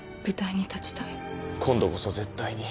今度こそ絶対に。